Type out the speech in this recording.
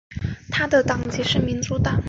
他的党籍是民主党。